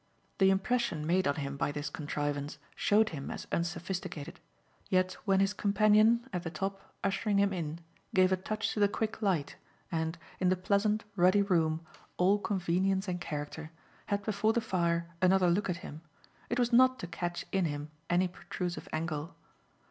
The impression made on him by this contrivance showed him as unsophisticated, yet when his companion, at the top, ushering him in, gave a touch to the quick light and, in the pleasant ruddy room, all convenience and character, had before the fire another look at him, it was not to catch in him any protrusive angle.